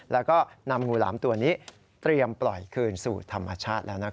แล้วก็นำงูหลามตัวนี้เตรียมปล่อยคืนสู่ธรรมชาติแล้วนะครับ